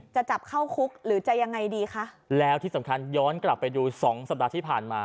จะจับเข้าคุกหรือจะยังไงดีคะแล้วที่สำคัญย้อนกลับไปดูสองสัปดาห์ที่ผ่านมา